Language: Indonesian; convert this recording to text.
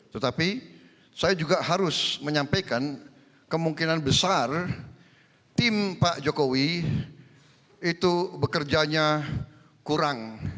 tetapi saya juga harus menyampaikan kemungkinan besar tim pak jokowi itu bekerjanya kurang